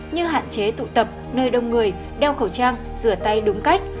như hạn chế tụ tập nơi đông người đeo khẩu trang rửa tay đúng cách